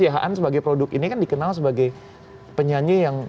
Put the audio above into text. yan sebagai produk ini kan dikenal sebagai penyanyi yang